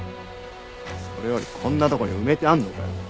それよりこんなとこに埋めてあんのかよ